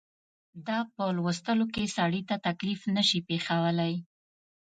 دا په لوستلو کې سړي ته تکلیف نه شي پېښولای.